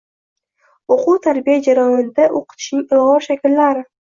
o`quv-tarbiya jarayonida o`qitishning ilg`or shakllari